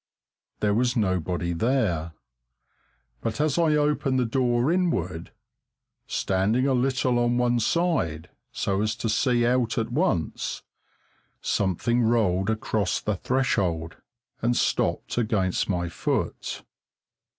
There was nobody there, but as I opened the door inward, standing a little on one side, so as to see out at once, something rolled across the threshold and stopped against my foot.